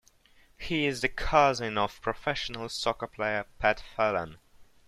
He is the cousin of professional soccer player Pat Phelan.